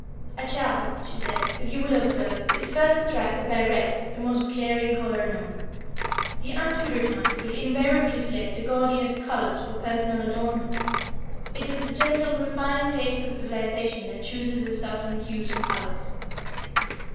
"A child," she said, "if you will observe, is first attracted by red, the most glaring color known. The untutored mind will invariably select the gaudiest colors for personal adornment. It is the gentle, refined taste of civilization that chooses the softened hues and colors."